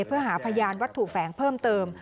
เพื่อหาพยานวัตถุแฝงเพิ่มเติม